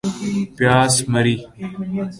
پیاس مری